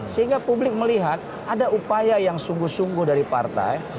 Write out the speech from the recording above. sehingga publik melihat ada upaya yang sungguh sungguh dari partai